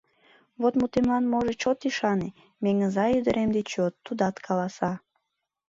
Вот мутемлан, можыч, от ӱшане, Меҥыза ӱдырем деч йод: тудат каласа.